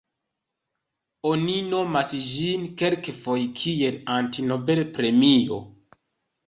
Oni nomas ĝin kelkfoje kiel "Anti-Nobelpremio".